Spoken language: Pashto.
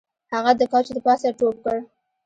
هغه د کوچ د پاسه ټوپ کړ